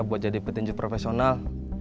buat jadi petenjur profesional